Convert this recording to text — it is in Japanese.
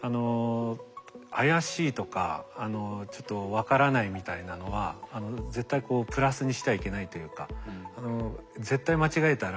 怪しいとかちょっと分からないみたいなのは絶対こうプラスにしてはいけないというか。